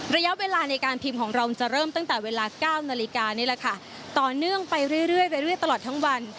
ระยะเวลาในการพิมพ์ของเราจะเริ่มตั้งแต่เวลา๙นาฬิกานี่แหละค่ะต่อเนื่องไปเรื่อยไปเรื่อยตลอดทั้งวัน